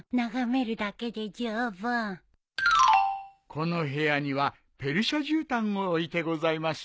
この部屋にはペルシャじゅうたんを置いてございます。